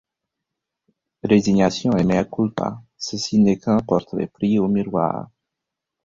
Résignation, et meâ culpâ, ceci n’est qu’un portrait pris au miroir.